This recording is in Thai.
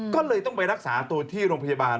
ก็เลยต้องไปรักษาตัวที่โรงพยาบาล